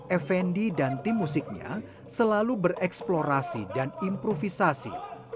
effendi dan tim musiknya selalu bereksplorasi dan improvisasi